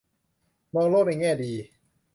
มองโลกในแง่ดี